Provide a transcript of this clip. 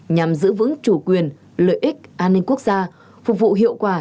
nhằm giữ vững chủ quyền lợi ích an ninh quốc gia phục vụ hiệu quả